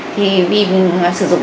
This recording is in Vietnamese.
thì vì mình sử dụng